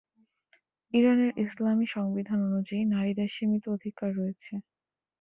ইরানের ইসলামী সংবিধান অনুযায়ী নারীদের সীমিত অধিকার রয়েছে।